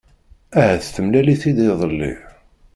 Ahat temlal-it-id iḍelli.